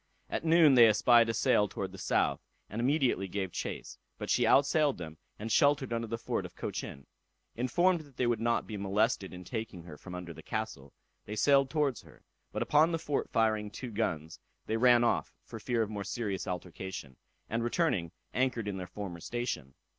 At noon they espied a sail towards the south, and immediately gave chase, but she outsailed them, and sheltered under the fort of Cochin. Informed that they would not be molested in taking her from under the castle, they sailed towards her, but upon the fort firing two guns, they ran off for fear of more serious altercation, and returning, anchored in their former station.